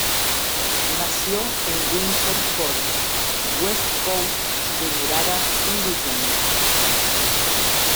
Nació en Windsor Forest, West Coast Demerara en Guyana.